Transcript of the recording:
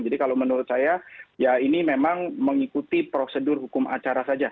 jadi kalau menurut saya ya ini memang mengikuti prosedur hukum acara saja